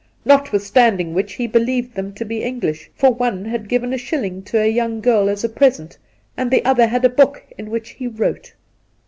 Notwithstanding which, he believed them to be English, for one had given a shilling to a young girl as a present, and the other had a book in which he wrote.